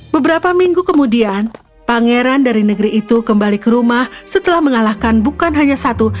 beberapa minggu kemudian pangeran dari negeri itu kembali ke rumah setelah mengalahkan bukan hanya satu